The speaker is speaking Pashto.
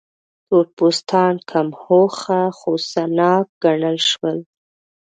تور پوستان کم هوښ، غوسه ناک ګڼل شول.